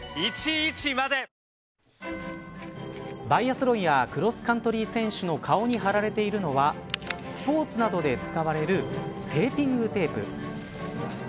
バイアスロンやクロスカントリー選手の顔に貼られているのはスポーツなどで使われるテーピングテープ。